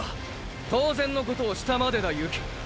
当然のことをしたまでだ雪成！！